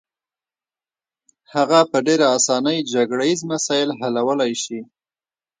هغه په ډېره اسانۍ جګړه ییز مسایل حلولای شي.